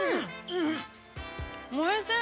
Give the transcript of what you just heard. おいしい。